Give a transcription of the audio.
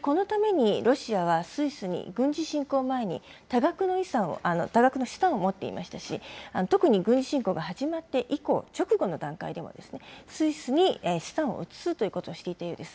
このためにロシアはスイスに軍事侵攻前に多額の資産を持っていましたし、特に軍事侵攻が始まって以降、直後の段階でもスイスに資産を移すということをしていたようです。